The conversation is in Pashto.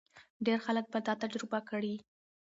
ډېر خلک به دا تجربه کړي.